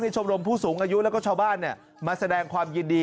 ชมรมผู้สูงอายุแล้วก็ชาวบ้านมาแสดงความยินดี